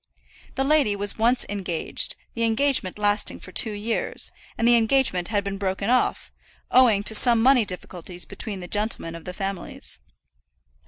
The lady was once engaged, the engagement lasting for two years, and the engagement had been broken off, owing to some money difficulties between the gentlemen of the families.